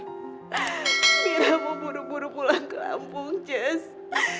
kamu buru buru pulang ke lampung jess